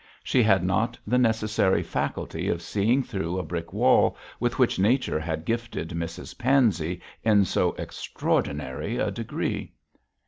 She had not the necessary faculty of seeing through a brick wall with which nature had gifted Mrs Pansey in so extraordinary a degree.